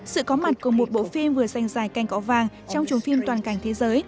sự có mặt của một bộ phim vừa giành giải cành cọ vàng trong chốn phim toàn cảnh thế giới